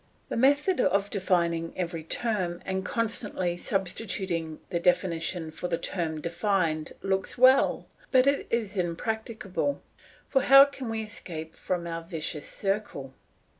The method of defining every term and constantly substituting the definition for the term defined looks well, but it is impracticable. For how can we escape from our vicious circle?